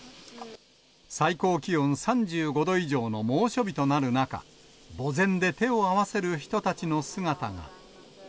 最高気温３５度以上の猛暑日となる中、墓前で手を合わせる人たちの姿が。